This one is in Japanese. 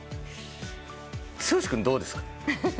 剛君どうですか？